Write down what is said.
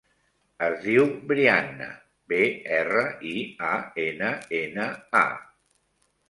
Es diu Brianna: be, erra, i, a, ena, ena, a.